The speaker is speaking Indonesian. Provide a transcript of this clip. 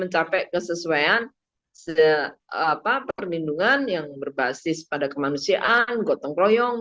capek kesesuaian permindungan yang berbasis pada kemanusiaan gotong kroyong